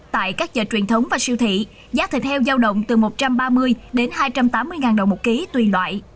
tại các chợ truyền thống và siêu thị giá thịt heo giao động từ một trăm ba mươi đến hai trăm tám mươi đồng một ký tùy loại